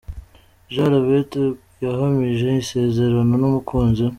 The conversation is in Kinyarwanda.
Jean Lambert yahamije isezerano n’umukunzi we.